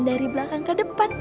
dari belakang ke depan